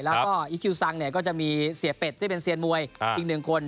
แล้วก็อีคิวซังเนี่ยก็จะมีเสียเป็ดที่เป็นเซียนมวยอีกหนึ่งคน